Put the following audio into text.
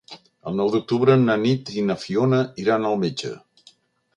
El nou d'octubre na Nit i na Fiona iran al metge.